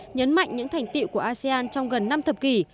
nhấn mạnh những thành tiệu của asean trong gần năm thập kỷ